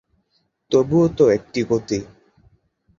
তবুও তো একটা গতি।